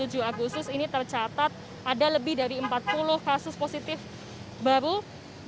yang kedua kantornya saat ini operasionalnya sudah dihentikan sementara dan diisolasi mulai dua puluh bulan